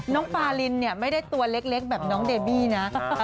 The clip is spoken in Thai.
น้องปารินเนี่ยไม่ได้ตัวเล็กแบบน้องเดบี้นะ